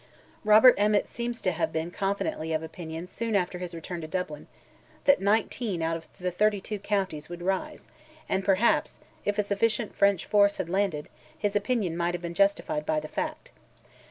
Robert Emmet seems to have been confidently of opinion soon after his return to Dublin, that nineteen out of the thirty two counties would rise; and, perhaps, if a sufficient French force had landed, his opinion might have been justified by the fact.